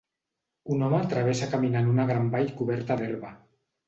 Un home travessa caminant una gran vall coberta d'herba